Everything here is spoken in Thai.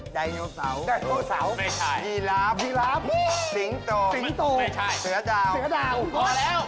แดยโนสาวไม่ใช่สิงสุสิงโตเสือดาวพอแล้ว